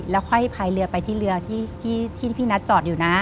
แล้วค่อยพายเรือไปที่เรือที่พี่นัทจอดอยู่นะ